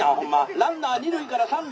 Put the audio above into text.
ランナー二塁から三塁」。